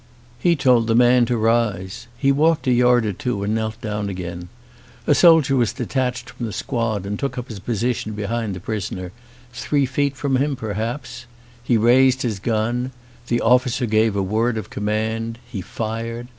He told the man to rise. He walked a yard or two and knelt down again. A soldier was detached from the squad and took up his position behind the prisoner, three feet from him perhaps; he raised his gun; the officer gave the word of command ; he fired.